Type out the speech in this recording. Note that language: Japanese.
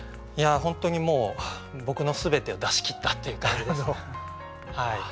本当にもう僕の全てを出し切ったっていう感じですね。